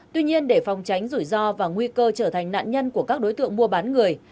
tuy nhiên để phòng tránh rủi ro và nguy cơ trở thành nạn nhân của các đối tượng mua bán người